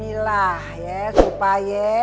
kalo ada yang meng survive